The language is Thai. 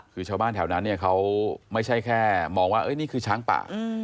คือชาวบ้านแถวนั้นเนี่ยเขาไม่ใช่แค่มองว่านี่คือช้างป่า